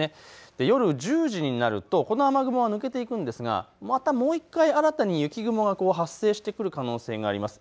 夜１０時になると雨雲は抜けていくんですがもう一度新たに雪雲が発生してくる可能性があります。